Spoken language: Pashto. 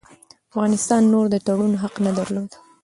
افغانستان نور د تړون حق نه درلود.